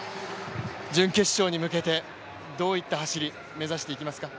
準決勝に向けてどういった走り、目指していきますか。